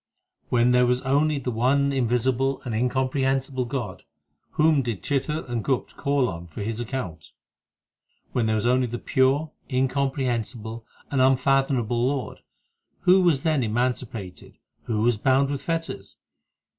When there was only the one invisible and incompre hensible God, Whom did Chitr and Gupt call on for his account ? When there was only the pure, incomprehensible, and unfathomable Lord, Who was then emancipated ? Who was bound with fetters